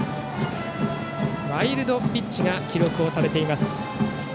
ワイルドピッチが記録されています。